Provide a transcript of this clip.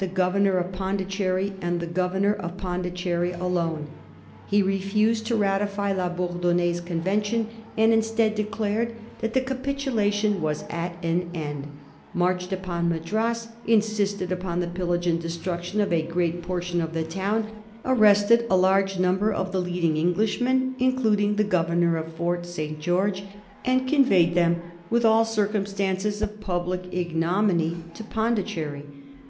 the Governor of Pondicherry and the Gov ernor of Pondicherry alone. He refused to ratify La Bourdonnais's convention, and, instead, declared that the capitulation was at an end, marched upon Madras, insisted upon the pillage and destruction of a great portion of the town, arrested a large number of the leading Englishmen, including the Governor of Fort St. George, and conveyed them with all circumstances of public ignominy to Pondi cherry.